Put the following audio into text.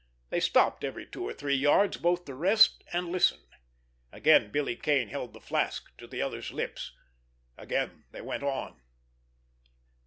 They stopped every two or three yards both to rest and listen. Again Billy Kane held the flask to the other's lips. Again they went on.